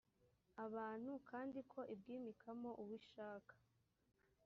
abantu kandi ko ibwimikamo uwo ishaka